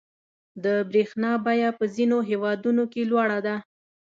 • د برېښنا بیه په ځینو هېوادونو کې لوړه ده.